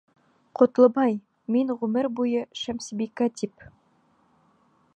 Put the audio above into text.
Ҡотлобай, мин ғүмер буйы Шәмсебикә тип...